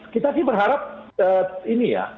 kita sih berharap ini ya